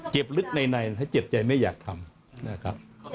เจ็บลึกในแต่เจ็บใจไม่อยากทำ